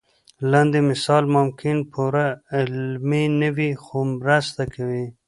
لاندې مثال ممکن پوره علمي نه وي خو مرسته کوي.